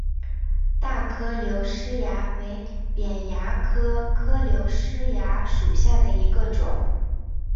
大颗瘤虱蚜为扁蚜科颗瘤虱蚜属下的一个种。